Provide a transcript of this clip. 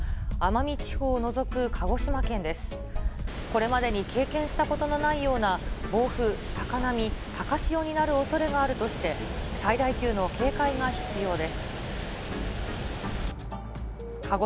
これまでに経験したことのないような暴風、高波、高潮になるおそれがあるとして、最大級の警戒が必要です。